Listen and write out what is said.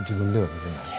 見れない。